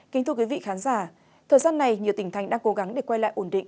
kính thưa quý vị khán giả thời gian này nhiều tỉnh thành đang cố gắng để quay lại ổn định